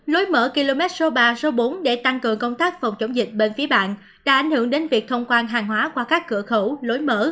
lối mở km số ba số bốn để tăng cường công tác phòng chống dịch bên phía bạn đã ảnh hưởng đến việc thông quan hàng hóa qua các cửa khẩu lối mở